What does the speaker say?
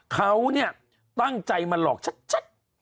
เขาตั้งใจมาหลอกชัด